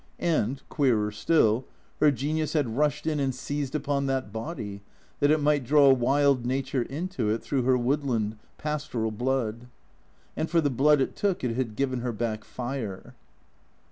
And, queerer still, her genius had rushed in and seized upon that body, that it might draw wild nature into it through her woodland, pastoral blood. And for the blood it took it had given her back fire.